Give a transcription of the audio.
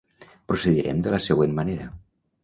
Procedirem de la següent manera.